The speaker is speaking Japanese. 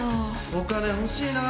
お金欲しいなあ。